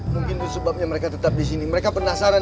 mungkin disebabnya mereka tetap disini mereka penasaran